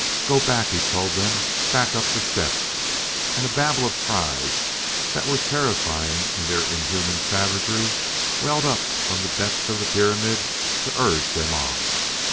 "Go back," he told them, " back up the steps!" And a babble of cries that were terrifying in their inhuman savagery welled up from the depths of the pyramid to urge them on.